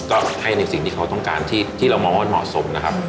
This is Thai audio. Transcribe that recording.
ก็ให้ในสิ่งที่เขาต้องการที่เหมาะสมนะครับ